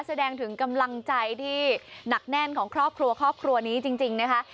แสดงถึงกำลังใจที่หนักแน่นของครอบครัวครอบครัวนี้จริงนะคะ